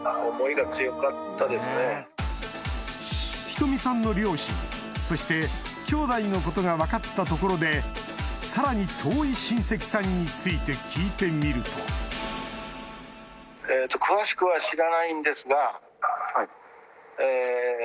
瞳さんの両親そしてきょうだいのことが分かったところでさらに遠い親戚さんについて聞いてみるとすごいの出て来るぞこれ。